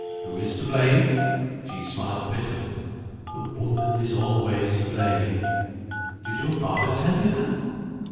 "Who is to blame?" She smiled bitterly. "The woman is always to blame." "Did your father tell you that?"